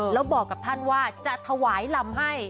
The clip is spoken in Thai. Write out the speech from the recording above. แล้วบอกกับท่านว่าจะถวายลำให้